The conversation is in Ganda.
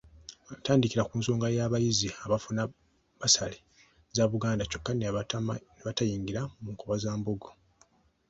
Atandikira ku nsonga y’abayizi abafuna bbasale za Buganda kyokka ne batayingira mu Nkobazambogo.